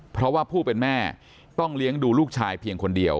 เพราะว่าผู้เป็นแม่ต้องเลี้ยงดูลูกชายเพียงคนเดียว